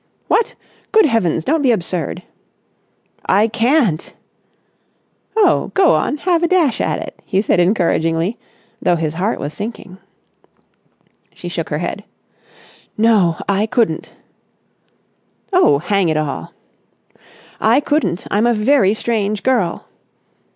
"What! Good heavens! Don't be absurd." "I can't!" "Oh, go on, have a dash at it," he said encouragingly, though his heart was sinking. She shook her head. "No, I couldn't." "Oh, hang it all!" "I couldn't. I'm a very strange girl...."